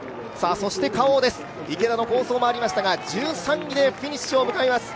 Ｋａｏです、池田の好走もありましたがフィニッシュを迎えます。